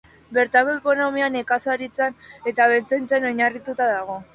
Bertako ekonomia nekazaritzan eta abeltzaintzan oinarrituta dago.